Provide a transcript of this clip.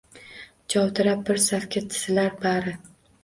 Jovdirab bir safga tizilar bari